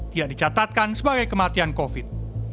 tidak dicatatkan sebagai kematian covid